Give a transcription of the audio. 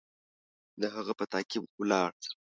د هغه په تعقیب ولاړ.